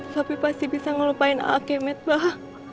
sopi pasti bisa ngelupain alkemet mbah